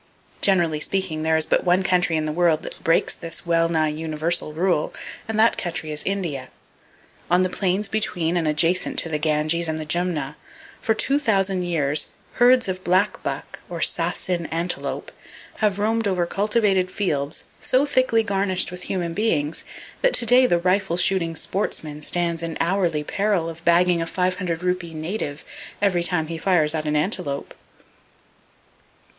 Generally speaking, there is but one country in the world that breaks this well nigh universal rule; and that country is India. On the plains between and adjacent to the Ganges and the Jumna, for two thousand years herds of black buck, or sasin antelope, have roamed over cultivated fields so thickly garnished with human beings that to day the rifle shooting sportsman stands in hourly peril of bagging a five hundred rupee native every time he fires at an antelope.